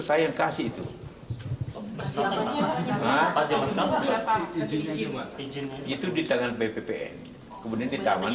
saya melihat bahwa dia berpindah ke relates ke worlds cojine